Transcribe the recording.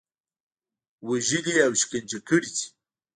وژلي او شکنجه کړي دي.